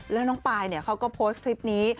แล้วน้องปายเขาก็โพสต์คลิปนี้